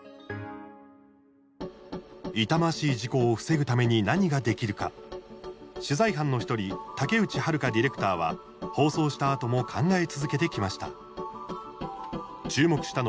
痛ましい事故を防ぐために何ができるか、取材班の１人竹内はる香ディレクターは放送したあとも考え続けてきました。